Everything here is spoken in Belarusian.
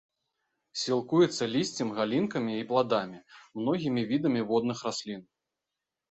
Сілкуецца лісцем, галінкамі і пладамі, многімі відамі водных раслін.